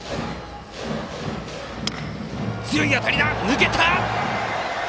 強い当たり、抜けた！